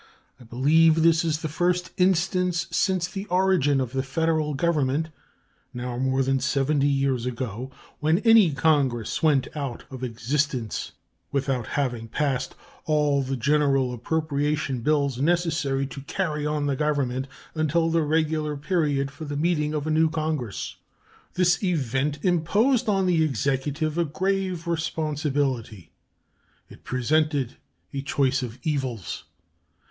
I believe this is the first instance since the origin of the Federal Government, now more than seventy years ago, when any Congress went out of existence without having passed all the general appropriation bills necessary to carry on the Government until the regular period for the meeting of a new Congress. This event imposed on the Executive a grave responsibility. It presented a choice of evils.